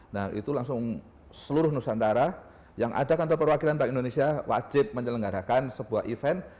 nah itu langsung seluruh nusantara yang ada kantor perwakilan bank indonesia wajib menyelenggarakan sebuah event